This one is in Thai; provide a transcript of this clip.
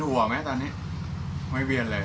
ตัวตัวมั้ยตอนนี้ไม่เวียนเลย